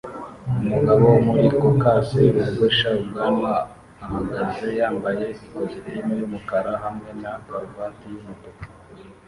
Umugabo wo muri Caucase wogosha ubwanwa ahagaze yambaye ikositimu yumukara hamwe na karuvati yumutuku